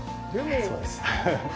そうです。